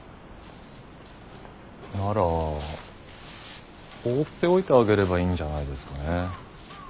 なら放っておいてあげればいいんじゃないですかね。